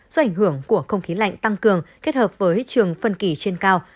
do ảnh hưởng của không khí lạnh tăng cường kết hợp với trường phân kỳ trên cao